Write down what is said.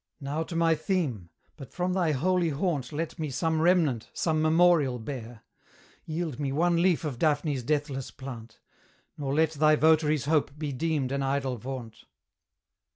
Now to my theme but from thy holy haunt Let me some remnant, some memorial bear; Yield me one leaf of Daphne's deathless plant, Nor let thy votary's hope be deemed an idle vaunt.